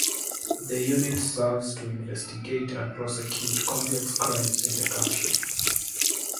The unit serves to investigate and prosecute complex crimes in the country.